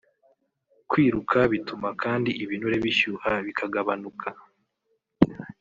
Kwiruka bituma kandi ibinure bishyuha bikagabanuka